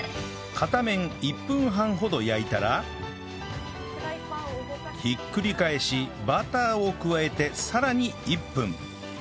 片面１分半ほど焼いたらひっくり返しバターを加えてさらに１分